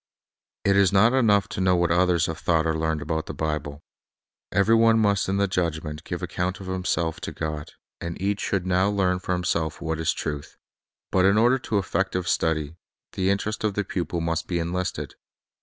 It is not enough to know what others have thought or learned about the Bible. Every *one must in the judgment give account of himself to God, and each should now learn for himself what is truth. But in order to effective study, the interest of the pupil must be enlisted.